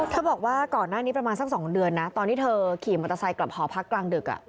บอกว่าก่อนหน้านี้ประมาณสัก๒เดือนนะตอนที่เธอขี่มอเตอร์ไซค์กลับหอพักกลางดึก